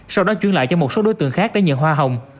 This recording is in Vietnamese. sau đó chuyển lại cho một số đối tượng khác để nhận hoa hồng